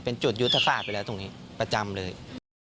เป็นจุดยุทธศาสตร์ไปแล้วตรงนี้ประจำเลย